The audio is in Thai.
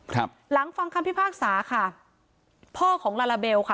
ครับหลังฟังคำพิพากษาค่ะพ่อของลาลาเบลค่ะ